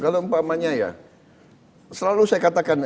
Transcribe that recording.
kalau umpamanya ya selalu saya katakan